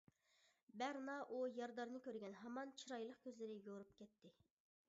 بەرنا ئۇ يارىدارنى كۆرگەن ھامان چىرايلىق كۆزلىرى يورۇپ كەتتى.